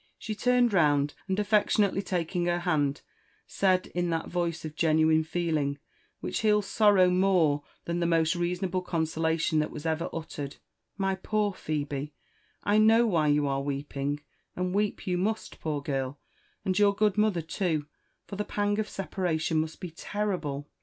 She turned round, and alTectionately taking her band, said, in that voice of genuine feeling which heals sorrow more than the most reasonable consolation that was ever uttered, " My poor Phe^e, I know why you are weeping— and weep you must, poor girl, and your good mother too, for the pang of separation must be terrible."